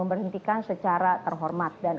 berhentikan secara terhormat dan